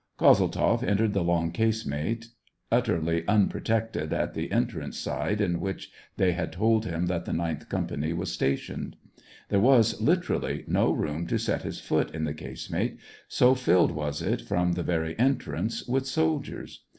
Kozeltzoff entered the long casemate, utterly un SEVASTOPOL IN AUGUST. 197 protected at the entrance side, in which they had told him that the ninth company was stationed. There was, literally, no room to set his foot in the casemate, so filled was it, from the very entrance, with soldiers.